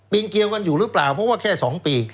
เกียวกันอยู่หรือเปล่าเพราะว่าแค่๒ปี